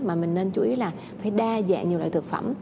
mà mình nên chú ý là phải đa dạng nhiều loại thực phẩm